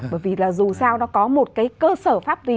bởi vì là dù sao nó có một cái cơ sở pháp lý